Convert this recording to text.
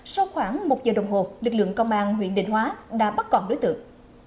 sau khoảng một h đồng hồ lực lượng công an huyện định hóa đã bắt còn đối tượng